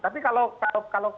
tapi kalau kalau kalau